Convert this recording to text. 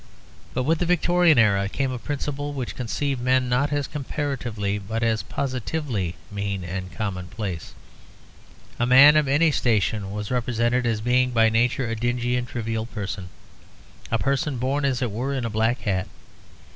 But with the Victorian era came a principle which conceived men not as comparatively, but as positively, mean and commonplace. A man of any station was represented as being by nature a dingy and trivial person a person born, as it were, in a black hat.